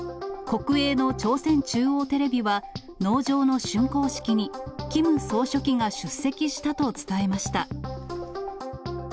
国営の朝鮮中央テレビは、農場のしゅんこう式に、キム総書記が出席したと伝えました。